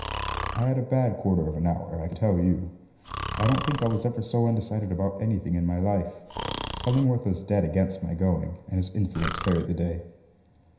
I had a bad quarter of an hour, I can tell you. I don't think I was ever so undecided about anything in my life. Cullingworth was dead against my going, and his influence carried the day.